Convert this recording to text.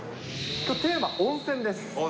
きょう、テーマ温泉です。